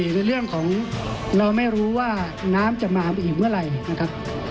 ๔เรื่องของเราไม่รู้ว่าน้ำจะมาอีกเมื่อไหร่